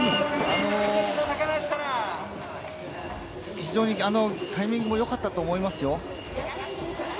非常にタイミングもよかったと思いますよ。